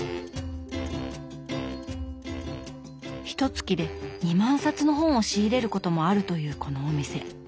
ひとつきで２万冊の本を仕入れることもあるというこのお店。